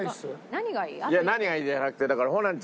「何がいい」じゃなくてだから。